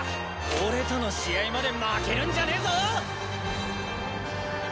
俺との試合まで負けるんじゃねえぞ！